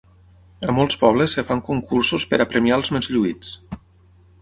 A molts pobles es fan concursos per a premiar els més lluïts.